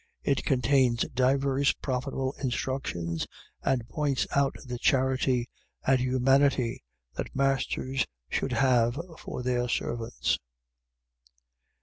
It contains divers profitable instructions and points out the charity and humanity that masters should have for their servants.